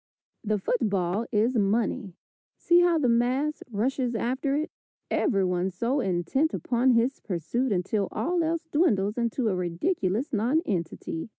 The football is money. See how the mass rushes after it! Everyone so intent upon his pursuit until all else dwindles into a ridiculous nonentity.